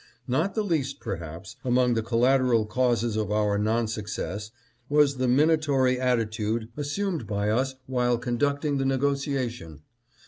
" Not the least, perhaps, among the collateral causes of our non success was the minatory attitude assumed by us while conducting the negotiation.